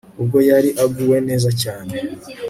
ubwo yari aguwe neza cyane